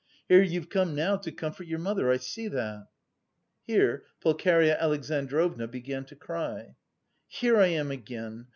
Here you've come now to comfort your mother, I see that." Here Pulcheria Alexandrovna began to cry. "Here I am again!